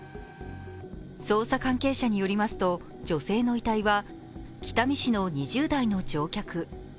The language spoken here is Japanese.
捜査関係者によりますと女性の遺体は北見市の２０代の乗客。